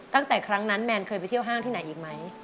ตั้งแต่ครั้งนั้นแมนเคยไปเที่ยวห้างที่ไหนอีกไหม